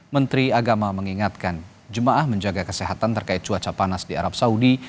menteri agama mengingatkan jemaah menjaga kesehatan terkait cuaca panas di arab saudi